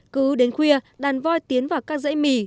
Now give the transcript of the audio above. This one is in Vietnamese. cứ đến khuya đàn voi tiến vào các dãy mì